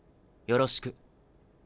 よろしく。